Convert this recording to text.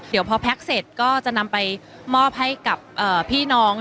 เดี๋ยวพอแพ็คเสร็จก็จะนำไปมอบให้กับพี่น้อง